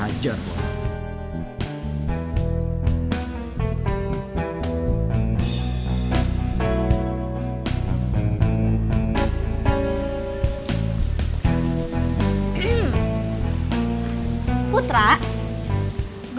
aku mau ke rumah